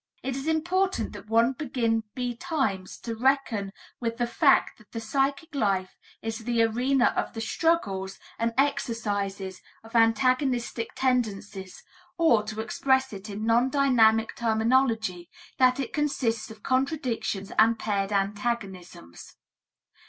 It is important that one begin betimes to reckon with the fact that the psychic life is the arena of the struggles and exercises of antagonistic tendencies, or, to express it in non dynamic terminology, that it consists of contradictions and paired antagonisms.